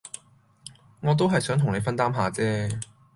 我都係想同你分擔下姐